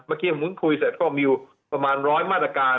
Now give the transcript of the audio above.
เมื่อกี้ผมคุยกับพ่อมิวประมาณ๑๐๐มาตรการ